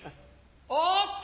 おっと！